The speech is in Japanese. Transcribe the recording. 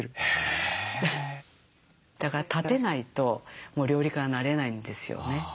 だから立てないともう料理家になれないんですよね。